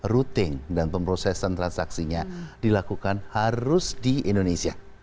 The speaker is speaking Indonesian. routing dan pemprosesan transaksinya dilakukan harus di indonesia